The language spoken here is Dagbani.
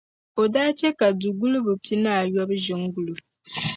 o daa chɛ ka duguliba pinaayɔbu ʒe n-guli o.